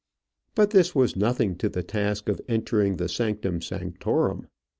But this was nothing to the task of entering the sanctum sanctorum.